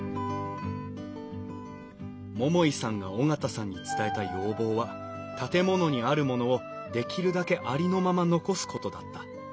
桃井さんが緒方さんに伝えた要望は建物にあるものをできるだけありのまま残すことだった。